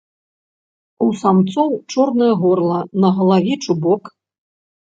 У самцоў чорнае горла, на галаве чубок.